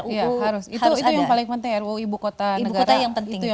itu yang paling penting ruu ibu kota negara